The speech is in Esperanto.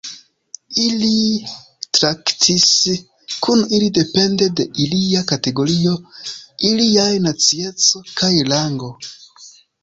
Ili traktis kun ili depende de ilia kategorio, iliaj nacieco kaj rango.